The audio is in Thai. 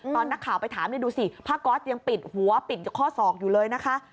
ตอนนักข่าวไปถามนี่ดูสิผ้าก๊อตยังปิดหัวปิดกับข้อศอกอยู่เลยนะคะ